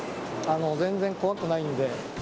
全然怖くないんで。